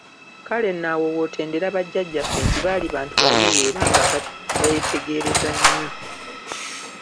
Kale nno awo w'otendera Bajjaajjaffe nti baali bantu bayiiya era nga beetegereza nnyo.